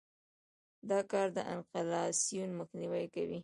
دا کار د انفلاسیون مخنیوى کوي.